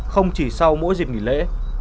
không chỉ sau mỗi dịp nghỉ lễ